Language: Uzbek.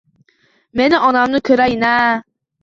Men onamni ko`rayin-a.